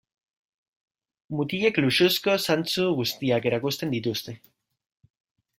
Mutilek luxuzko zantzu guztiak erakusten dituzte.